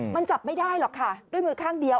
มันจับไม่ได้หรอกค่ะด้วยมือข้างเดียว